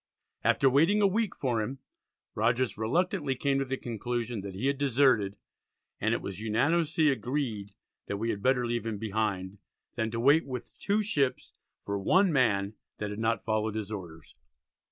After waiting a week for him Rogers reluctantly came to the conclusion that he had deserted, and "it was unanimously agreed, that we had better leave him behind, than to wait with two ships for one man that had not followed his orders."